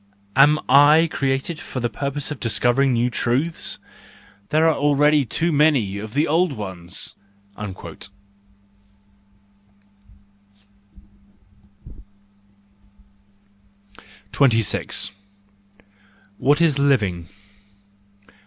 Am I created for the purpose of discovering new truths? There are already too many of the old ones." 26. What is Living